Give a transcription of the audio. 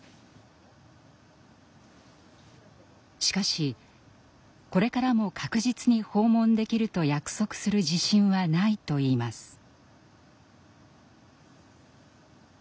しかしこれからも確実に訪問できると約束する自信はないといいます。